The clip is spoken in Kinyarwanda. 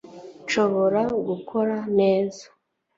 nshobora gukora neza